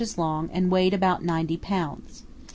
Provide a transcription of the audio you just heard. long and weighed about ninety pounds.